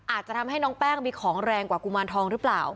อาจจะทำให้น้องแป้งมีของแรงกว่ากุมารทองหรือเปล่า